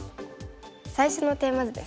最初のテーマ図ですね。